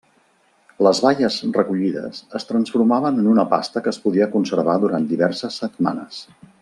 Les baies recollides es transformaven en una pasta que es podia conservar durant diverses setmanes.